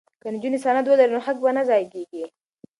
که نجونې سند ولري نو حق به نه ضایع کیږي.